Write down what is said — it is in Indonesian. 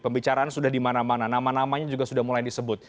pembicaraan sudah dimana mana nama namanya juga sudah mulai disebut